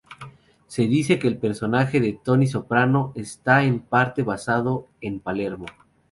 Se dice que el personaje de Tony Soprano está en parte basado en Palermo.